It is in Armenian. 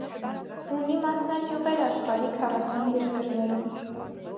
Ունի մասնաճյուղեր աշխարհի քառասուն երկրներում։